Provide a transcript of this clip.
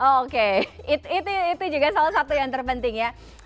oke itu juga salah satu yang terpenting ya